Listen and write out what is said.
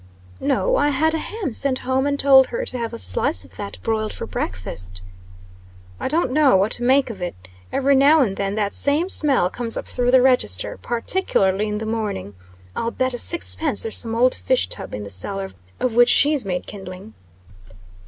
"No. I had a ham sent home, and told her to have a slice of that broiled for breakfast." "I don't know what to make of it. Every now and then that same smell comes up through the register particularly in the morning. I'll bet a sixpence there's some old fish tub in the cellar of which she's made kindling."